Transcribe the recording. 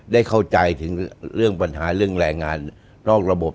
ได้เข้าใจถึงเรื่องปัญหาเรื่องแรงงานนอกระบบ